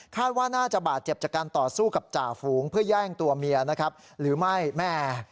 ว่าน่าจะบาดเจ็บจากการต่อสู้กับจ่าฝูงเพื่อแย่งตัวเมียนะครับหรือไม่แม่